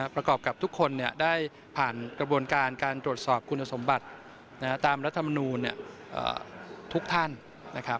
ประกอบกับทุกคนได้ผ่านกระบวนการการตรวจสอบคุณสมบัติตามรัฐมนูลทุกท่านนะครับ